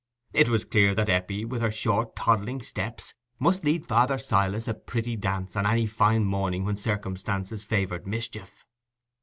It was clear that Eppie, with her short toddling steps, must lead father Silas a pretty dance on any fine morning when circumstances favoured mischief.